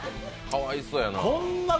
かわいそやな。